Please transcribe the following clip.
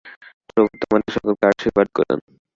প্রভু তোমাদের সকলকে আশীর্বাদ করুন।